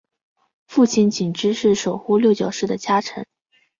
父亲景之是守护六角氏的家臣。